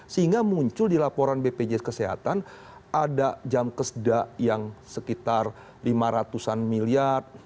sehingga muncul di laporan bpjs kesehatan ada jam kesedak yang sekitar lima ratus an miliar